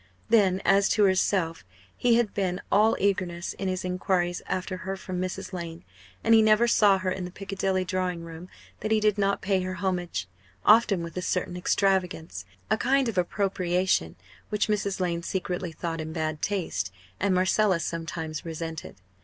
Then as to herself. He had been all eagerness in his enquiries after her from Mrs. Lane; and he never saw her in the Piccadilly drawing room that he did not pay her homage, often with a certain extravagance, a kind of appropriation, which Mrs. Lane secretly thought in bad taste, and Marcella sometimes resented.